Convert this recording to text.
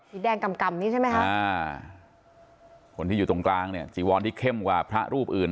แดงกำนี่ใช่ไหมคะคนที่อยู่ตรงกลางเนี่ยจีวรที่เข้มกว่าพระรูปอื่น